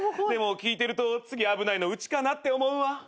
でも聞いてると次危ないのうちかなって思うわ。